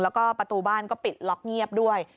แล้วก็ประตูบ้านก็ปิดล็อกเงียบด้วย